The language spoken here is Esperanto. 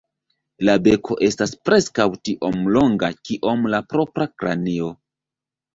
La beko estas preskaŭ tiom longa kiom la propra kranio.